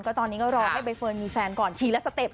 ตอนนี้ก็รอให้ใบเฟิร์นมีแฟนก่อนทีละสเต็ป